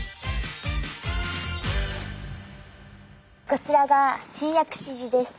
こちらが新薬師寺です。